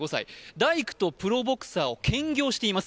大工とプロボクサーを兼業しています。